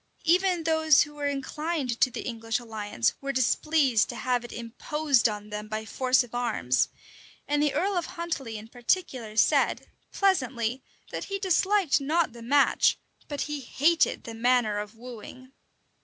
Even those who were inclined to the English alliance were displeased to have it imposed on them by force of arms; and the earl of Huntley in particular said, pleasantly, that he disliked not the match, but he hated the manner of wooing.